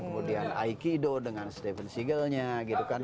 kemudian aikido dengan steven seagal nya gitu kan